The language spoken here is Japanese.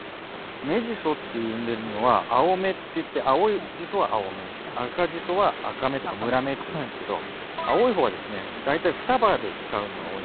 芽ジソって呼んでるのは青芽っていって青ジソは青芽赤ジソは赤芽とか紫芽っていうんですけど青い方はですね大体双葉で使うのが多いんですよ。